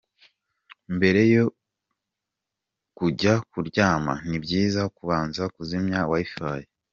Mbere yo kujya kuryama, ni byiza kubanza kuzimya Wi-Fi.